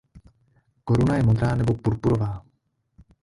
Koruna je modrá nebo purpurová.